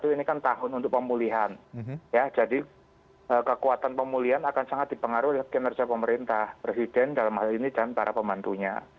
ini kan tahun untuk pemulihan ya jadi kekuatan pemulihan akan sangat dipengaruhi oleh kinerja pemerintah presiden dalam hal ini dan para pembantunya